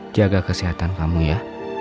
jaga kesehatan kamu ya